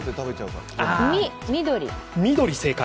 緑、正解。